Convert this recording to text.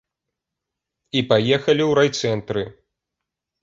І паехалі ў райцэнтры.